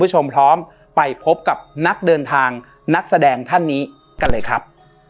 คุณผู้ชมพร้อมไปพบกับนักเดินทางนักแสดงท่านนี้กันเลยครับ